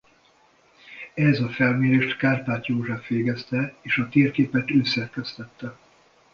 Ehhez a felmérést Kárpát József végezte és a térképet ő szerkesztette.